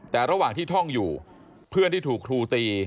แต่ระหว่างที่ท่องอยู่เพื่อนที่ถูกครูตี